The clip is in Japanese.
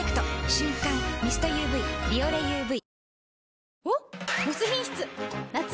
瞬感ミストＵＶ「ビオレＵＶ」